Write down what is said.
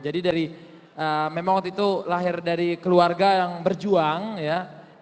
jadi dari memang waktu itu lahir dari keluarga yang berjual